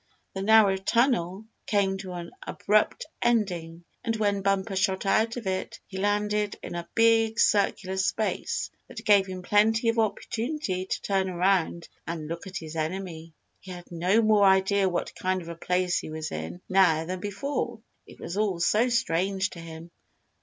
The narrow tunnel came to an abrupt ending, and when Bumper shot out of it he landed in a big, circular space that gave him plenty of opportunity to turn around and look at his enemy. He had no more idea what kind of a place he was in now than before. It was all so strange to him.